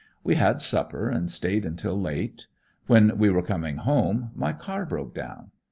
We had supper and stayed until late. When we were coming home, my car broke down.